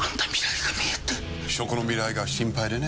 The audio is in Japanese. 食の未来が心配でね。